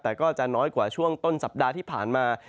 แต่ก็จะน้อยกว่าช่วงต้นสัปดาห์ที่ผ่านมา